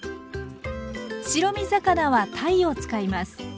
白身魚はたいを使います。